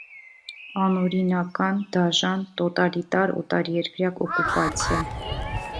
Անօրինական, դաժան, տոտալիտար օտարերկրյա օկուպացիա։